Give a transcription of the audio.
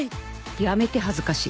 やめて恥ずかしい